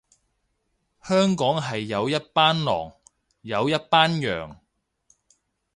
香港係有一班狼，有一班羊